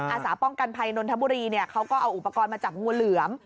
อาสาป้องกันภัยนนทบุรีเขาก็เอาอุปกรณ์มาจับงูเหลือม